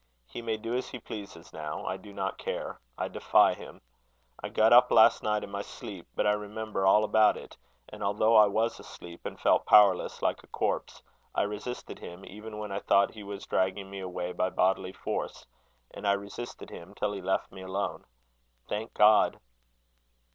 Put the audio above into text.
He may do as he pleases now. I do not care. I defy him. I got up last night in my sleep, but I remember all about it; and, although I was asleep, and felt powerless like a corpse, I resisted him, even when I thought he was dragging me away by bodily force. And I resisted him, till he left me alone. Thank God!"